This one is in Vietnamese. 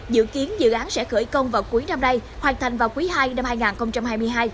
dự kiến dự án sẽ khởi công vào cuối năm nay hoàn thành vào quý ii năm hai nghìn hai mươi hai